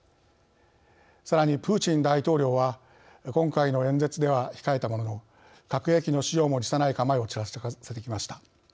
さらにプーチン大統領は今回の演説では控えたものの核兵器の使用も辞さない構えをちらつかせてきました。